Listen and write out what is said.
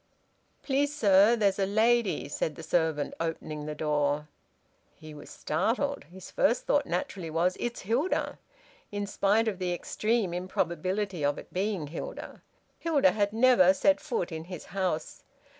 "Please, sir, there's a lady," said the servant, opening the door. He was startled. His first thought naturally was, "It's Hilda!" in spite of the extreme improbability of it being Hilda. Hilda had never set foot in his house.